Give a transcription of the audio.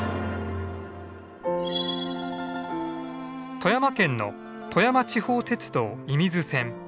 富山県の富山地方鉄道射水線。